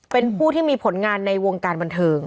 เป็นผู้ที่มีผลงานในวงการบันเทิง